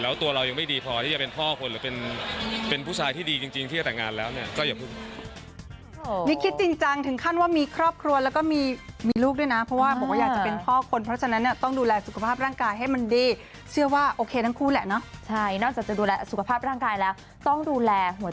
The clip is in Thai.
แล้วตัวเรายังไม่ดีพอที่จะเป็นพ่อคนหรือเป็นผู้ชายที่ดีจริงที่จะแต่งงานแล้วเนี่ยก็อย่าเพิ่ง